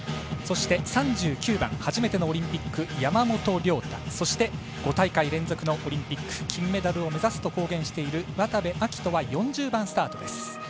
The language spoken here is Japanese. そして、３９番初めてのオリンピック、山本涼太そして、５大会連続オリンピック金メダルを目指すと公言している渡部暁斗は４０番スタートです。